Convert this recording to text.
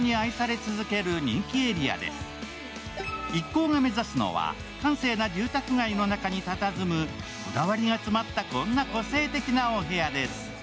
一行が目指すのは、閑静な住宅街の中にたたずむこだわりが詰まった、こんな個性的なお部屋です。